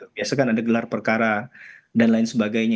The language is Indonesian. biasakan ada gelar perkara dan lain sebagainya